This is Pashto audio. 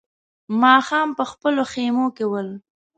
ماښام په خپلو خيمو کې ول.